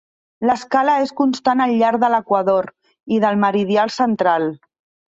L'escala és constant al llarg de l'Equador i del meridià central.